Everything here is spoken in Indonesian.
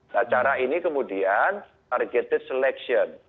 nah cara ini kemudian targeted selection